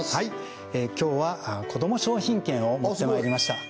今日はこども商品券を持ってまいりました